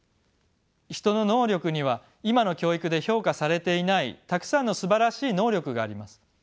人の能力には今の教育で評価されていないたくさんのすばらしい能力があります。